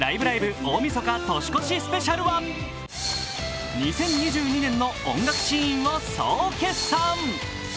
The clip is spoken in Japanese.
大みそか年越しスペシャルは２０２２年の音楽シーンを総決算。